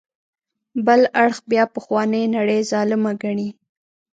بل اړخ بیا پخوانۍ نړۍ ظالمه ګڼي.